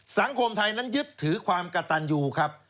สังคมไทยนั้นยึดถือความกระตันยูครับ